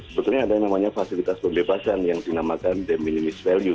sebetulnya ada yang namanya fasilitas pembebasan yang dinamakan the minimis value